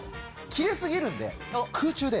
切れ過ぎるんで空中で。